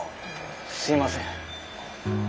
すいません。